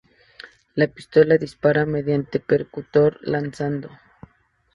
La pistola dispara mediante percutor lanzado.